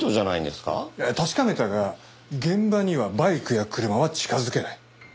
確かめたが現場にはバイクや車は近づけない。